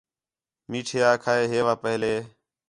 میٹھے آکھا ہے ہِے وا پہلے